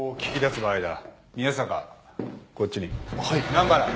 南原。